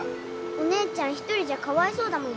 お姉ちゃん１人じゃかわいそうだもん。